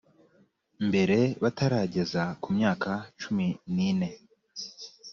mbere batarageza ku myaka cumi n ine